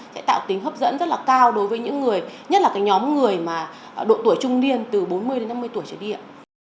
sẽ tạo tính hấp dẫn rất là cao đối với những người nhất là nhóm người mà độ tuổi trung niên từ bốn mươi đến năm mươi tuổi trở điện